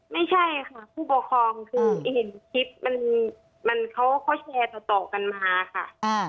ไม่ใช่ค่ะผู้ปกครองคือเห็นคลิปมันเขาแชร์ต่อกันมาค่ะ